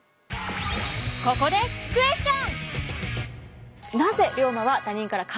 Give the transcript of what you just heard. ここでクエスチョン！